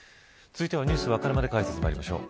続いてはＮｅｗｓわかるまで解説まいりましょう。